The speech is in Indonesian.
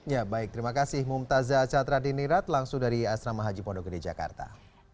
ya baik terima kasih mumtazah catra dinirat langsung dari asrama haji pondok gede jakarta